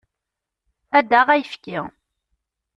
Ad d-taɣ ayefki.